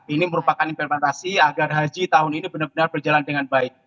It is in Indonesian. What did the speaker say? ini merupakan implementasi agar haji tahun ini benar benar berjalan dengan baik